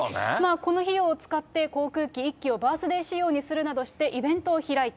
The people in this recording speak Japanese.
この費用を使って、航空機１機をバースデー仕様にするなどして、イベントを開いた。